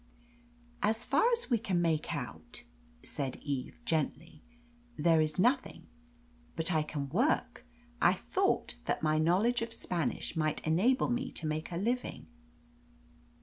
"As far as we can make out," said Eve gently, "there is nothing. But I can work. I thought that my knowledge of Spanish might enable me to make a living."